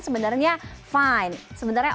sebenarnya fine sebenarnya